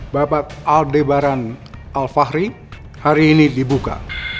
bapak aldebaran alfahri hari ini dibuka